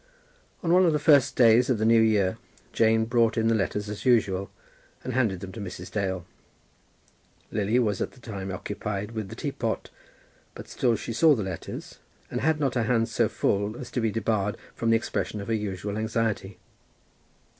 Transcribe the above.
On one of the first days of the new year Jane brought in the letters as usual, and handed them to Mrs. Dale. Lily was at the time occupied with the teapot, but still she saw the letters, and had not her hands so full as to be debarred from the expression of her usual anxiety.